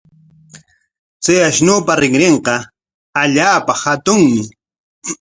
Chay ashnupa rinrinqa allaapa hatunmi.